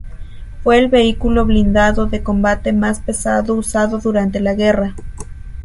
Fue el vehículo blindado de combate más pesado usado durante la guerra.